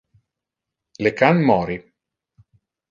Le can mori.